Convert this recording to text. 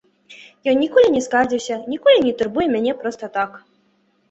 Ён ніколі не скардзіўся, ніколі не турбуе мяне проста так.